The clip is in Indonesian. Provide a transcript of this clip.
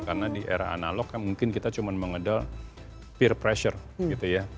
karena di era analog mungkin kita cuma mengedal peer pressure gitu ya